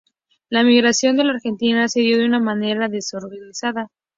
La migración a la Argentina se dio de una manera desorganizada.